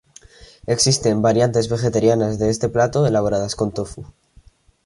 Existen variantes vegetarianas de este plato elaboradas con tofu.